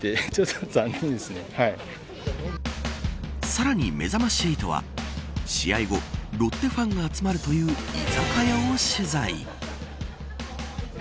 さらに、めざまし８は試合後、ロッテファンが集まるという居酒屋を取材。